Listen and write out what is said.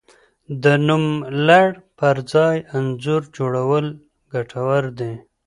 د نوملړ پر ځای انځور جوړول ګټور دي.